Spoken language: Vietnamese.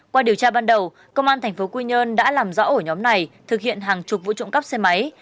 qua điều tra ban đầu công an tp quy nhơn đã làm rõ ổ nhóm này thực hiện hàng chục vụ trộm cắp xe máy